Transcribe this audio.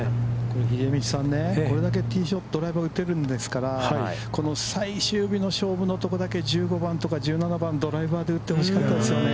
秀道さんね、これだけティーショットドライバー打てるんですから、この最終日の勝負のところだけ、１５番とか１７番ドライバーで打ってほしかったですね。